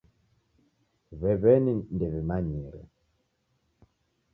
W'ew'eni ndew'imanyire.